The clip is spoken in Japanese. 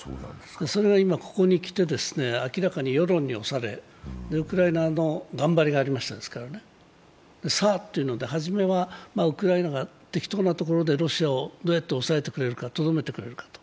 それが今、ここにきて、明らかに世論に押されウクライナの頑張りがありましたですからね、さあっていうので、初めはウクライナが適当なところでロシアをどうやって抑えてくれるか、とどめてくれるか。